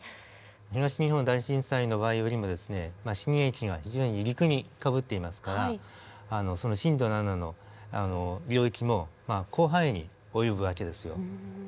東日本大震災の場合よりも震源地が非常に陸にかぶっていますから震度７の領域も広範囲に及ぶ訳ですよ。